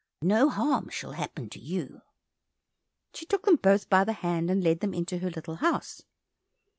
No harm shall happen to you." She took them both by the hand, and led them into her little house.